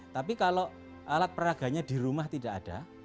tapi kalau alat peraganya di rumah tidak ada